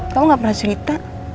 kamu gak pernah cerita